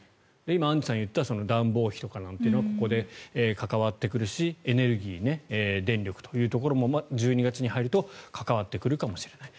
今、アンジュさんが言った暖房費などというのはここで関わってくるしエネルギー、電力というところも１２月に入ると関わってくるかもしれない。